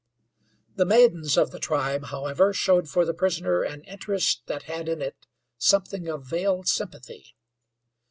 The maidens of the tribe, however, showed for the prisoner an interest that had in it something of veiled sympathy.